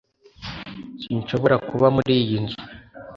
sinshobora kuba muri iyi nzu